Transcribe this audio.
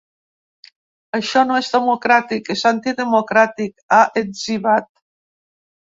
Això no és democràtic, és antidemocràtic, ha etzibat.